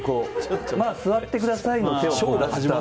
まあ、座ってくださいと。